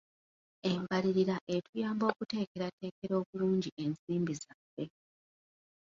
Embalirira etuyamba okuteekerateekera obulungi ensimbi zaffe.